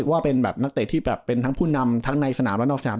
ว่าเป็นแบบนักเตะที่แบบเป็นทั้งผู้นำทั้งในสนามและนอกสนาม